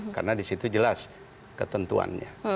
karena di situ jelas ketentuannya